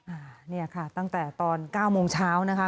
อ่าเนี่ยค่ะตั้งแต่ตอนเก้าโมงเช้านะคะ